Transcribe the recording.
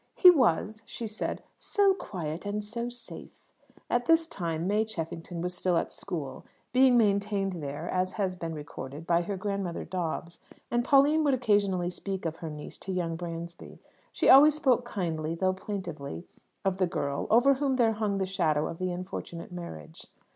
"He was," she said, "so quiet and so safe." At this time May Cheffington was still at school, being maintained there, as has been recorded, by her grandmother Dobbs; and Pauline would occasionally speak of her niece to young Bransby. She always spoke kindly, though plaintively, of the girl, over whom there hung the shadow of the unfortunate marriage.